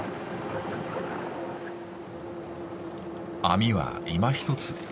網はいまひとつ。